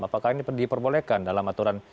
apakah ini diperbolehkan dalam aturan